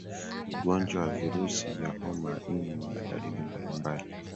ugonjwa wa virusi vya homa ya ini una dalili mbalimbali